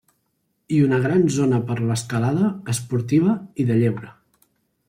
I una gran zona per l'escalada esportiva i de lleure.